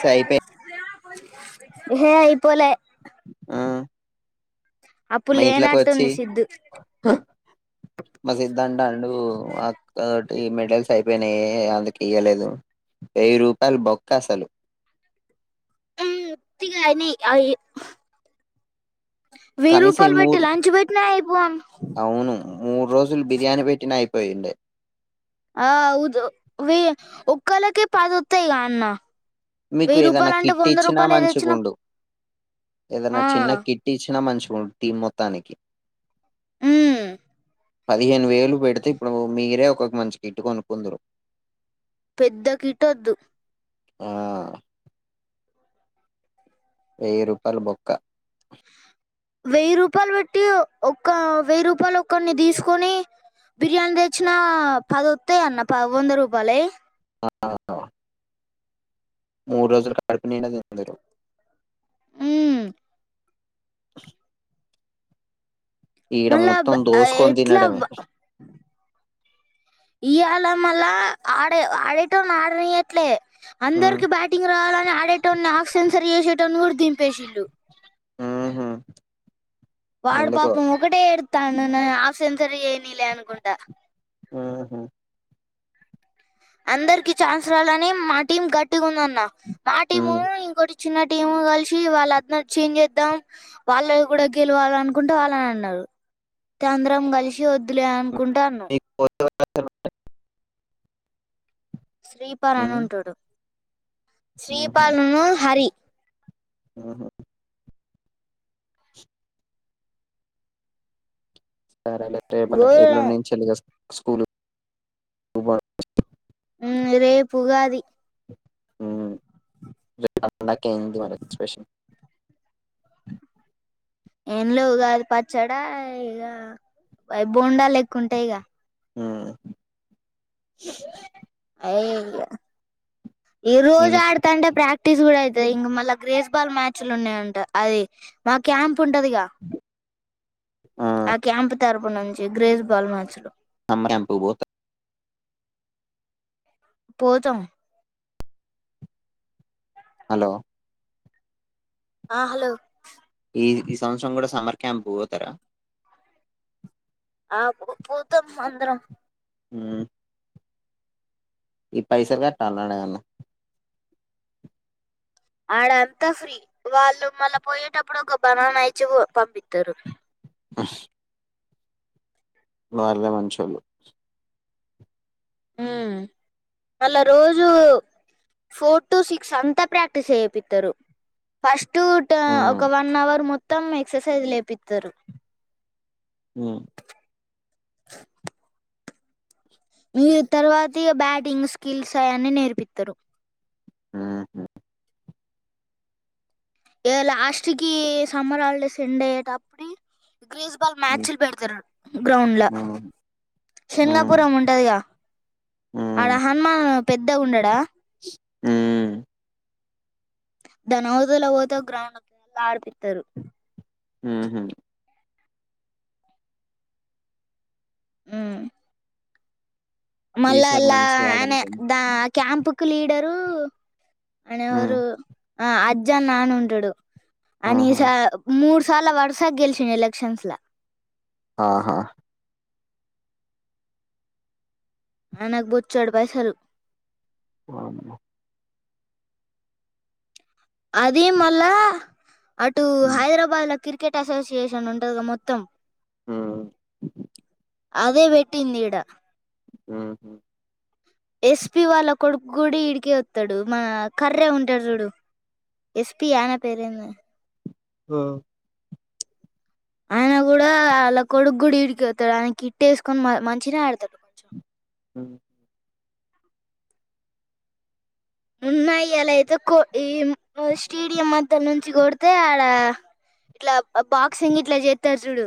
స అయిపోయి హే అయిపోలే ఆ అప్పుడు మా ఇట్లోకి వచ్చి లేనట్టుంది సిద్ధు మా సిదాంతి అన్నటుండు యీ మెడల్స్ పోయినా అందుకు ఇయ్యలేదు వెయ్యి రూపాయలు బొక్క అసలు ఉమ్ తీగని అ కనీసం ఈ మూర్ అవును మూడు రోజులు బిర్యానీ పెట్టినయి పోయిడే ఆ అవ ఒక్కళకే పదివాతాయా కదా అన్న మీకు వెయ్యి ఏదైనా రూపాయలు అంటే కిట్ వంద ఇచ్చినా రూపాయలు ద తేచ్చినపుడు మంచిగుండు ఏదైనా చిన్న కిట్ ఇచ్చిన మంచి గుండు టీం మొత్తానికి ఉమ్ పదిహేను వేలు పెడితే ఇప్పుడు మీరే ఒకొ మంచి కిట్ కొనుక్కుందురు పెద్ద కిటొద్దు ఆ వెయ్యి రూపాయలు బొక్క వెయ్యి రూపాయలు పెట్టి ఒక్క వెయ్యి రూపాయలు ఒక్కరిని తీసుకొని బిర్యానీ తెచ్చిన పదొతాయ్ అన్న పది వంద రూపాయల్యి మూరు రోజలు కడపు నీడ తిందురు ఉ [inaudible] ఈడ మళ్ళా మొత్తం బ- దోసుకొని ఎట్లా తినడమే ఇయాలా మళ ఆడే ఆడేటోనీ ఆడని ఎట్లే ఉ అందరికి బ్యాటింగ్ రావాలని ఆడేటని ఆకు సెన్సరీ చేసేటని దింపేసింళలు ఉహు వాడు ఎందుకో పాపం ఒకటే ఎతాను ఆసెన్సర్ ఏనలే అనుకుంట ఆహా అందరికి ఛాన్స్ రాలని మా టీం గట్టిగా ఉందన్న మా టీము హ్మ్. ఇంకోటి చిన్న టీం కలిసి వాళ్ళు అతను చేంజ్ చేద్దాం వాళ్ళ కూడా గెలవాల అనుకుంటే వాళ్ళని అన్నారు తంద్రం కలిసి వద్దులే అనుకుంటాను [inaudible] శ్రీపాల్ హ్మ్. అని ఉంటాడు హుహు. శ్రీపాాలను హరి హుహు. సరే అ రేపు ఎలో ఘోరం నుేంచి చెల్లి స్కూల్ా ఉ రేపు ఉగాది హ్మ్. రేపు పండాలి ఏం ఉంది మరి స్పీకర్ ఏం లే పచ్చడా ఇక బోండా ఎక్కు ఉంటాయి ఇక హ అయ ఈ ఇం రోజు ఆడుతాంటే ప్రాక్టీస్ కూడా అయితు ఇంక మళ్ళా గ్రేస్ బాల్ మ్యాచ్లు ఉన్నాయంట అది మా క్యాంప్ ఉంటదిగా ఆ క్యాంప్ తరపు నుంచి గ్రేస్ బాల్ మ్యాచ్ లు హర ఎంపుబోత పోతం హలో ఆ హలో ఈ ఈ సంవత్సరం కూడా సమ్మర్ క్యాంప్ పో పోతారా ఆ పోతాం అందరం ఉ ఈ పైసలు కట్టాాలడ ఎమన ఆడ అంతా ఫ్రీ వాళ్ళు మళ్ళా పోయేటప్పుడు ఒక బణం నయిచి పంపిస్తారు బస్ వాలే మంచోలు ఉ మళ్ళా రోజు ఫోర్ టు సిక్స్ అంతా ప్రాక్టీస్ అయపిత్తరు ఫస్ట్ టూ హ్మ్. ఒక వన్ అవర్ మొత్తం ఎక్సర్సైజ్ లేపిస్తారు ఉ [inaudible] మీర్ తర్వాతి బ్యాటింగ్ స్కిల్స్ అని నేర్పిత్త రు ఊహు ఇగ లాస్ట్కి సమ్మర్ హాల్ డేస్ యండ్ అయ్యేటప్టి గ్రీస్ బాల్ హ్మ్. మ్యాచ్లు పెడతరు గ్రౌండ్ల హ్మ్. హ్మ్. శంగాపురం ఉంటదిగా అడ హ్మ్. హన్మా పెద్ద ఉండడా హ్మ్. దానవ్ తల ఒతె ఒ గ్రౌండ్ ఉంటుంది ఆడిపిత్త రు ఊహు ఊ మళ్ళా ఈసారి అలా మంచిగా ఆనె ఆడనీకేనా? దా క్యాంపు కు లీడరూ అనే హ్మ్. అవ్రూ ఆ అజ్జ నాన్న ఉంటడు ఆహా! అనీషా మూడ్స్ చాల వర్స గెల్చిన ఎలక్షన్స్ లొ ఆహా మన బొచ్చడు పైసల్ [unintelligible] అదీ మళ్ళా అటూ హ్మ్. హైదరబాద్ల కిర్ కెట్ అసోసియేషన్ ఉంటదిగ మొత్తం ఊ అదే వెట్టిందీడ ఊహు ఎస్పి వాళ్ళ కొడుక్ కూడి ఈడికె వత్తడు మా ఖర్రె ఉంటడు చూడు ఎస్పియాన పేరేందొ ఆ ఆయన కూడ డా ఆల్ల కొడుకు కూడా ఈడికె వత్తడు ఆయనకి కిట్ ఎస్కోని మ మంచినె ఆడతడు ఆ ఉ ఉ న్నయ్య లైతె కొ ఈ మ స్టేడియం మద్ద నుంచి కొడితే ఆడా ఇట్లా బాక్సింగ్ ఇట్ల చేత్తర్ చూడు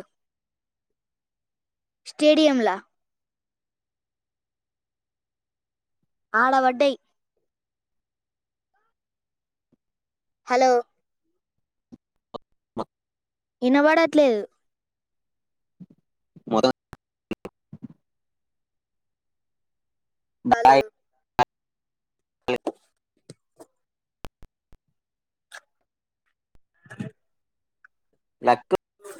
స్టేడియం లా ఆడ వడ్డయ్ హలో ఇనవడట్లేదు మొదా హలో [unintelligible] లక్కు